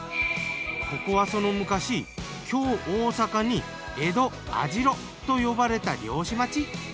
ここはその昔「京、大阪に江戸、網代」と呼ばれた漁師町。